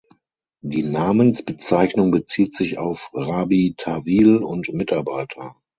Die Namensbezeichnung bezieht sich auf Rabi Tawil und Mitarbeiter.